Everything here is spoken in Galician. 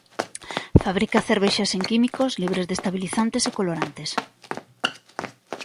Fabrica cervexas sen químicos, libres de estabilizantes e colorantes.